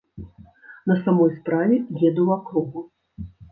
На самой справе, еду ў акругу.